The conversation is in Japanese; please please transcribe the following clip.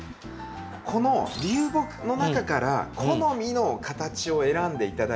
この流木の中から好みの形を選んでいただいて。